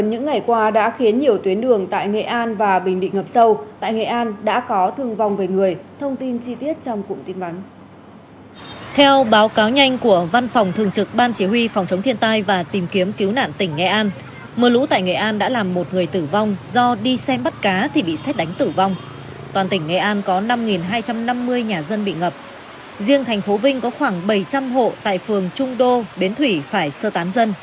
hãy đăng ký kênh để nhận thông tin nhất